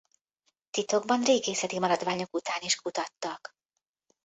Titokban régészeti maradványok után is kutattak.